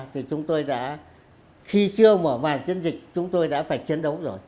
thì chúng tôi đã khi chưa mở màn chiến dịch chúng tôi đã phải chiến đấu rồi